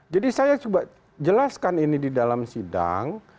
jadi saya coba jelaskan ini di dalam sidang